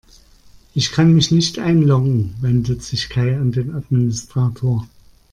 Ich kann mich nicht einloggen, wendet sich Kai an den Administrator.